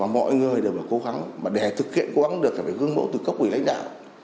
mọi người đều phải cố gắng để thực hiện cố gắng được phải gương mẫu từ các ủy lãnh đạo